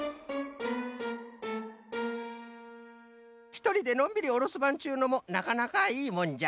ひとりでのんびりおるすばんっちゅうのもなかなかいいもんじゃ。